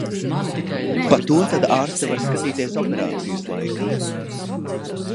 Pa to tad ārste var skatīties operācijas laikā.